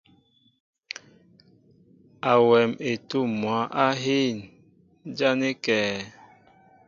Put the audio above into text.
Awɛm etǔm mwǎ á hîn, ján é kɛ̌?